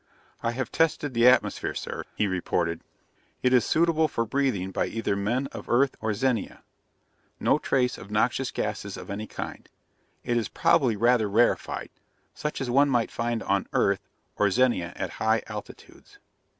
"I have tested the atmosphere, sir," he reported. "It is suitable for breathing by either men of Earth or Zenia. No trace of noxious gases of any kind. It is probably rather rarified, such as one might find on Earth or Zenia at high altitudes."